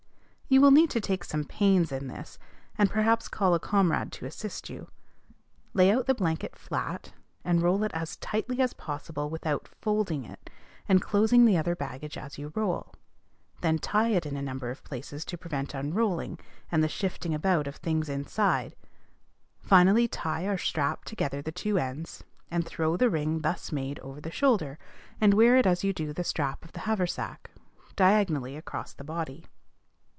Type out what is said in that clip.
You will need to take some pains in this, and perhaps call a comrade to assist you. Lay out the blanket flat, and roll it as tightly as possible without folding it, enclosing the other baggage as you roll; then tie it in a number of places to prevent unrolling, and the shifting about of things inside; and finally tie or strap together the two ends, and throw the ring thus made over the shoulder, and wear it as you do the strap of the haversack, diagonally across the body.